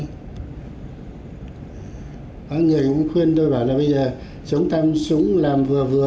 các người cũng khuyên tôi bảo là bây giờ chống tăm súng làm vừa vừa